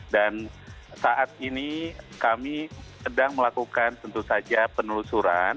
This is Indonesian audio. dan saat ini kami sedang melakukan tentu saja penelitian